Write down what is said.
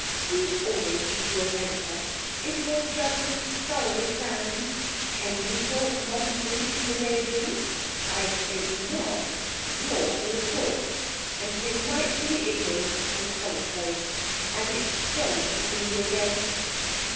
Do you always keep your temper? Is your judgement thoroughly sound? Can you talk modern Greek, and Arabian? I think not. You're full of faults, and delightfully ignorant and commonplace. And it's jolly to see you again.'